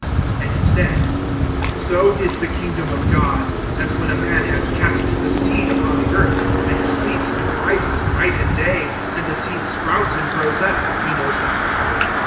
(26)And he said: So is the kingdom of God, as when a man has cast the seed upon the earth, (27)and sleeps and rises night and day, and the seed sprouts and grows up, he knows not how.